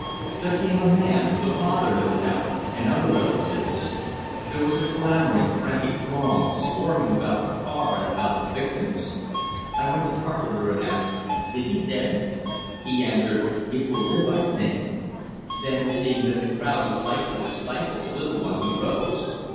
There came a man, the father, no doubt, and other relatives; there was a clamoring, frantic throng, swarming about the car and about the victims. I went to Carpenter, and asked, "Is it dead?" He answered, "It will live, I think." Then, seeing that the crowd was likely to stifle the little one, he rose.